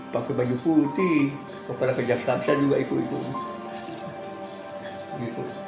pakai baju putih kepada kejaksaan saya juga ikut ikut